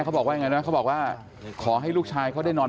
เขาบอกว่ายังไงนะเขาบอกว่าขอให้ลูกชายเขาได้นอน